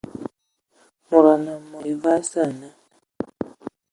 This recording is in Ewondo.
Mod anə mod evam sə ane..